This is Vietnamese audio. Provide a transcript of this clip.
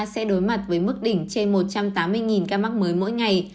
sẽ đối mặt với mức đỉnh trên một trăm tám mươi ca mắc mới mỗi ngày